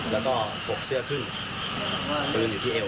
แล้วก็ถกเสื้อครึ่งปืนอยู่ที่เอว